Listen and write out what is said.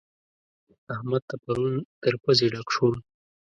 احمد ته پرون تر پزې ډک شوم.